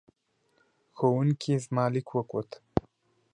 ښوونکې زما لیک وکوت.